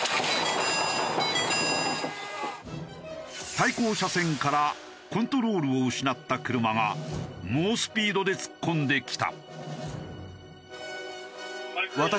対向車線からコントロールを失った車が猛スピードで突っ込んできた。